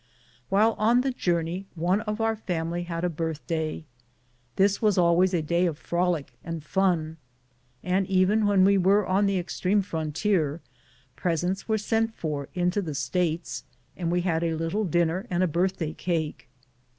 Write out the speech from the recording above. While on the journey one of our family had a birthday. This was always a day of frolic and fun, and even when we were on the extreme frontier, pres ents were sent for into the States, and we had a little dinner and a birthday cake.